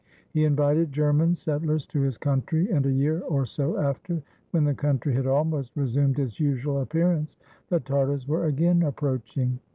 He invited German set tlers to his country, and a year or so after, when the country had almost resumed its usual appearance, the Tartars were again approaching.